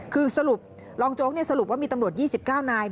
คือสรุปรองโจ๊กสรุปว่ามีตำรวจ๒๙นาย